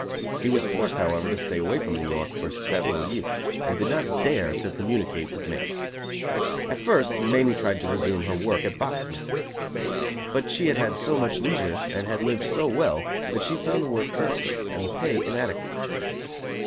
He was forced, however, to stay away from New York for several years, and did not dare to communicate with Mamie. At first, Mamie tried to resume her work at box making. But she had had so much leisure and had lived so well that she found the work irksome and the pay inadequate.